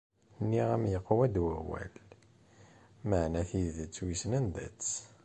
Nniɣ-am yeqwa-d wawal, maɛna tidet wissen anda-tt ?